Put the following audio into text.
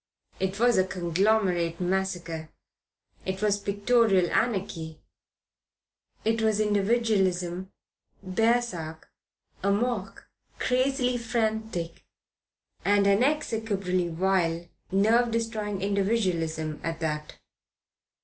It was a conglomerate massacre. It was pictorial anarchy. It was individualism baresark, amok, crazily frantic. And an execrably vile, nerve destroying individualism at that.